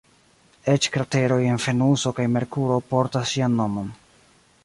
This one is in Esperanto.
Eĉ krateroj en Venuso kaj Merkuro portas ŝian nomon.